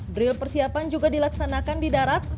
brill persiapan juga dilaksanakan di darat